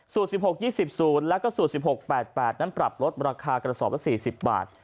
๑๖๒๐แล้วก็สูตร๑๖๘๘นั้นปรับลดราคากระสอบละ๔๐บาท